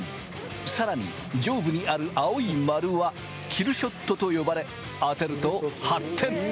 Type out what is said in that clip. さらに上部にある青い丸はキルショットと呼ばれ、当てると８点。